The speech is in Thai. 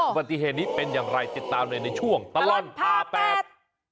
ปฏิเหตุนี้เป็นอย่างไรติดตามเลยในช่วงตลอดผ่าแปด